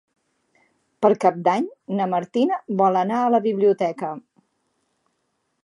Per Cap d'Any na Martina vol anar a la biblioteca.